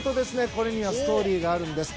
これにはストーリーがあるんです。